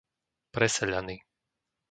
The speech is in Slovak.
Preseľany